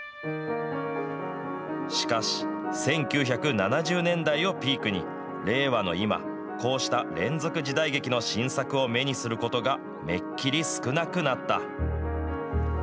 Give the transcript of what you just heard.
しかし、１９７０年代をピークに、令和の今、こうした連続時代劇の新作を目にすることがめっきり少なくなった。